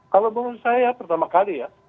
kalau menurut saya pertama kali ya